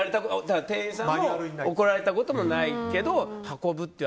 店員さんも怒られたこともないけど運ぶって。